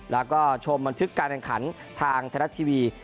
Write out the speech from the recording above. แล้วก็ชมบันทึกการแข่งขันทางไทยรัฐทีวี